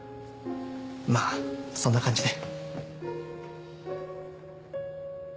まあそんな感じで。